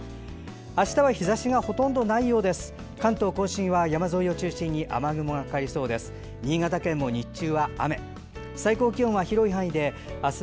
あしたは日ざしがほとんどないようです。